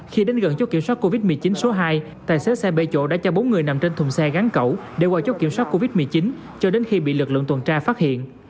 khi đến gần chốt kiểm soát covid một mươi chín số hai tài xế xe bệ chỗ đã cho bốn người nằm trên thùng xe gắn cẩu để qua chốt kiểm soát covid một mươi chín cho đến khi bị lực lượng tuần tra phát hiện